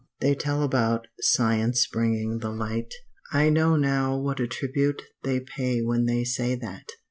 They tell about science bringing the light. I know now what a tribute they pay when they say that.